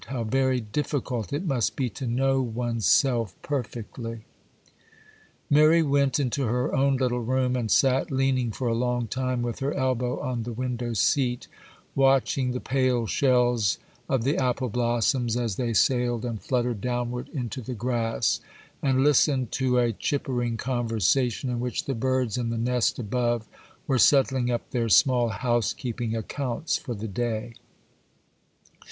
How very difficult it must be to know one's self perfectly!' Mary went into her own little room, and sat leaning for a long time with her elbow on the window seat, watching the pale shells of the apple blossoms as they sailed and fluttered downward into the grass, and listened to a chippering conversation in which the birds in the nest above were settling up their small housekeeping accounts for the day.